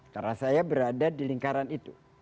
karena saya berada di lingkaran itu